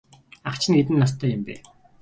Ах чинь хэдэн настай юм бэ?